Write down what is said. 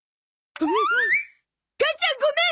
母ちゃんごめん！